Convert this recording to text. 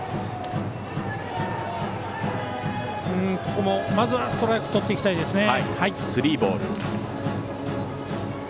ここもまずはストライクとっていきたいですね。